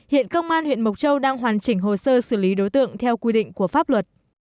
hiện công an huyện mộc châu đang hoàn chỉnh hồ sơ xử lý đối tượng theo quy định của pháp luật